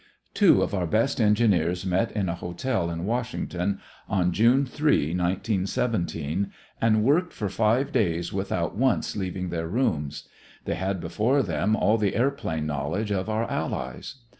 Two of our best engineers met in a hotel in Washington on June 3, 1917, and worked for five days without once leaving their rooms. They had before them all the airplane knowledge of our allies.